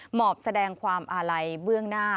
หมอบแสดงความอาลัยเบื้องหน้า